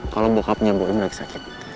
kalau bokapnya boim lagi sakit